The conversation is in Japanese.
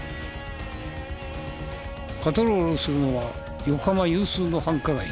パトロールをするのは横浜有数の繁華街。